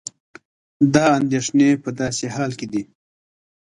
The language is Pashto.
دا اندېښنې په داسې حال کې دي